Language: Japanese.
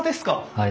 はい。